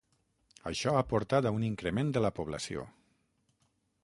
Això ha portat a un increment de la població.